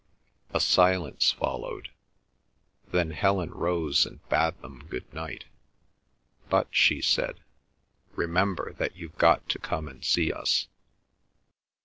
A silence followed. Then Helen rose and bade them good night. "But," she said, "remember that you've got to come and see us."